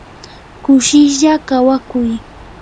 kushishlla kawakuy.